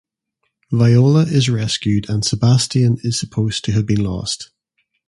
Viola is rescued and Sebastian is supposed to have been lost.